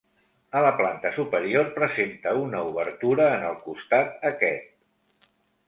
A la planta superior presenta una obertura en el costat aquest.